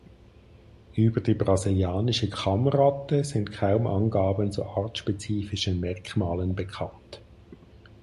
Über die Brasilianische Kammratte sind kaum Angaben zu artspezifischen Merkmalen bekannt.